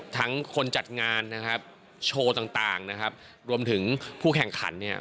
ทางคนจัดงานโชว์ต่างรวมถึงผู้แข่งขันนี่